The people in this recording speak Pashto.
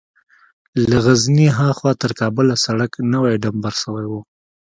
له غزني ها خوا تر کابله سړک نوى ډمبر سوى و.